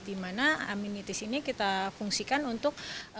dimana amenitis ini kita fungsikan untuk